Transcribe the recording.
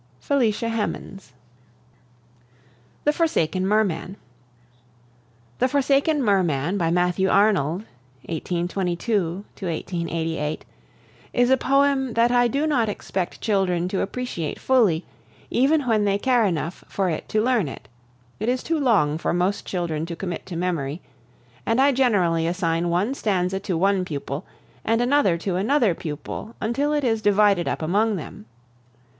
FELICIA HEMANS. THE FORSAKEN MERMAN. "The Forsaken Merman," by Matthew Arnold (1822 88), is a poem that I do not expect children to appreciate fully, even when they care enough for it to learn it. It is too long for most children to commit to memory, and I generally assign one stanza to one pupil and another to another pupil until it is divided up among them.